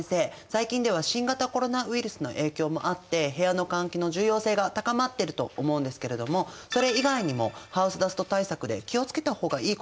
最近では新型コロナウイルスの影響もあって部屋の換気の重要性が高まってると思うんですけれどもなるほど。